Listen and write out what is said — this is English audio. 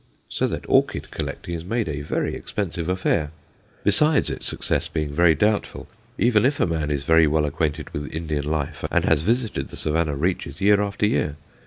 So that orchid collecting is made a very expensive affair. Besides its success being very doubtful, even if a man is very well acquainted with Indian life and has visited the Savannah reaches year after year.